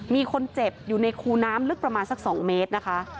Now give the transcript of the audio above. มีคนเจ็บอยู่ในคูน้ำลึกประมาณสัก๒เมตรนะคะ